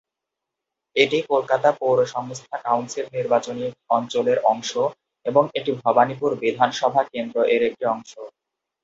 এটি কলকাতা পৌরসংস্থা কাউন্সিল নির্বাচনী অঞ্চলের অংশ এবং এটি ভবানীপুর বিধানসভা কেন্দ্র এর একটি অংশ।